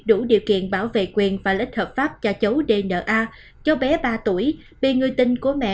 đủ điều kiện bảo vệ quyền và lịch hợp pháp cho chấu dna cho bé ba tuổi bị người tình của mẹ